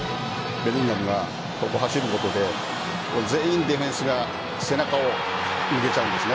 ベリンガムが走ることで全員でディフェンスが背中を向けちゃうんです。